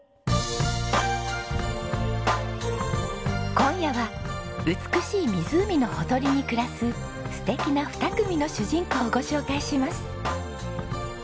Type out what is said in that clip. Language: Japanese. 今夜は美しい湖のほとりに暮らす素敵な２組の主人公をご紹介します。